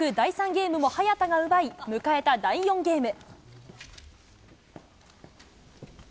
ゲームも早田が奪い、迎えた第４ゲーム。